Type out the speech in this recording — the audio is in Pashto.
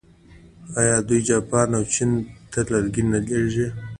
آیا دوی جاپان او چین ته لرګي نه لیږي؟